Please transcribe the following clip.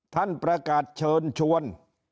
ท่านประกาศเชิญชวน